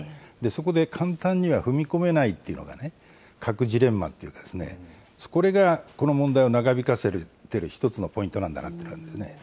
そこで簡単には踏み込めないっていう核ジレンマというか、これがこの問題を長引かせている１つのポイントなんだなっていうのがあるんですね。